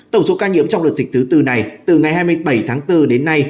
tổng số ca nhiễm trong đợt dịch thứ tư này từ ngày hai mươi bảy tháng bốn đến nay